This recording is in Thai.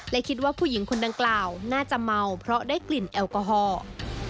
และคิดว่าผู้หญิงคนดังกล่าวน่าจะเมาเพราะได้กลิ่นแอลกอฮอล์